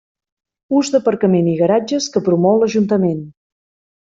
Ús d'aparcament i garatges que promou l'Ajuntament.